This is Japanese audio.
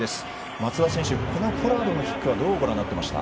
松田選手、このポラードのキックどうご覧になってました？